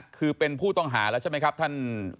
คือเป็นผู้ต้องหาแล้วใช่ไหมครับท่าน